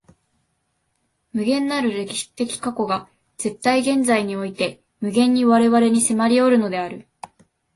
無限なる歴史的過去が絶対現在において無限に我々に迫りおるのである。